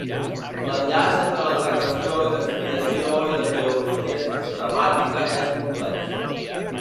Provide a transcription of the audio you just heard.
L'enllaç entre l'Encarnació i l'expiació i la teologia sistemàtica és complex.